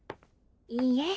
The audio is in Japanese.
いいえ